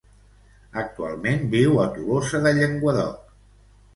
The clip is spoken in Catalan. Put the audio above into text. Actualment viu a Tolosa de Llenguadoc.